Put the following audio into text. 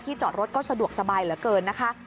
จอดรถก็สะดวกสบายเหลือเกินนะคะ